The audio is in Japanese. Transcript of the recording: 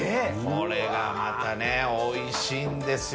これがまたねおいしいんですよ。